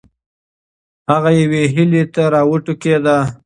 هغه یوې هیلې ته راوټوکېده.